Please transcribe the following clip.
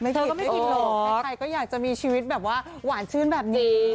เธอก็ไม่ผิดหรอกใครก็อยากจะมีชีวิตแบบว่าหวานชื่นแบบนี้